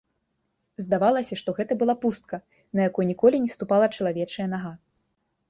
Здавалася, што гэта была пустка, на якой ніколі не ступала чалавечая нага.